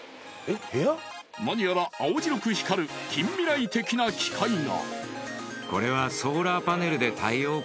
［何やら青白く光る近未来的な機械が］